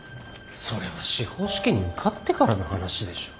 それは司法試験に受かってからの話でしょう。